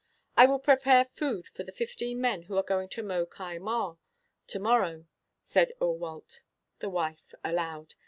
"I will prepare food for the fifteen men who are going to mow Cae Mawr to morrow," said Eurwallt, the wife, aloud.